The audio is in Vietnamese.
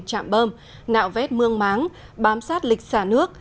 chạm bơm nạo vét mương máng bám sát lịch xả nước